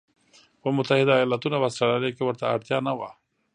په متحدو ایالتونو او اسټرالیا کې ورته اړتیا نه وه.